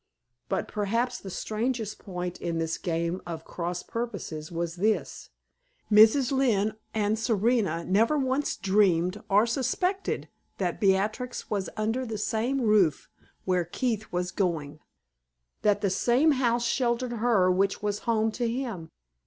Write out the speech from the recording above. But perhaps the strangest point in this game of cross purposes was this: Mrs. Lynne and Serena never once dreamed or suspected that Beatrix was under the same roof where Keith was going that the same house sheltered her which was home to him.